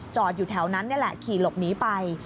อยู่แถวนั้นนี่แหละขี่หลบหนีไป